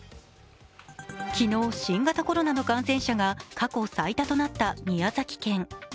昨日、新型コロナの感染者が過去最多となった宮崎県。